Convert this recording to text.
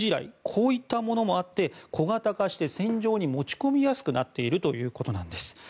こういったものもあって小型化して戦場に持ち込みやすくなっているということです。